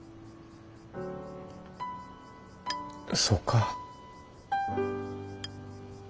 そうか。